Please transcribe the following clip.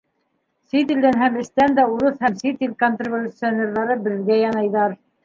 Сит илдән һәм эстән дә урыҫ һәм сит ил контрреволюционерҙары беҙгә янайҙар.